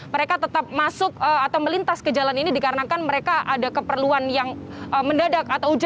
mereka tetap masuk atau melintas ke jalan ini dikarenakan mereka ada keperluan yang mendadak atau hujan